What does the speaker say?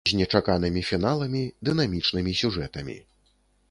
З нечаканымі фіналамі, дынамічнымі сюжэтамі.